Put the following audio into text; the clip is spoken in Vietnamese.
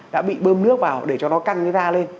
đã bị bơm nước vào để cho nó căng cái ra lên